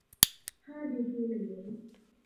ท่าดีทีเหลว